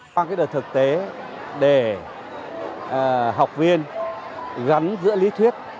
qua cái đợt thực tế để học viên gắn giữa lý thuyết